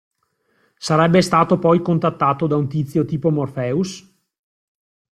Sarebbe stato poi contattato da un tizio tipo Morpheus?